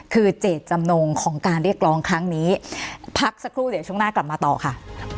คือเจตจำนงของการเรียกร้องครั้งนี้พักสักครู่เดี๋ยวช่วงหน้ากลับมาต่อค่ะ